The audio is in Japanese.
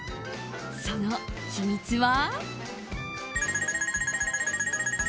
その秘密は。